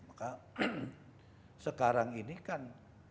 maka sekarang ini kan